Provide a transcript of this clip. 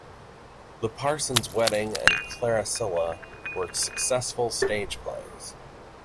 "The Parson's Wedding" and "Claricilla" were successful stage plays.